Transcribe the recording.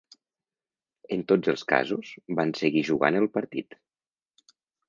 En tots els casos van seguir jugant el partit.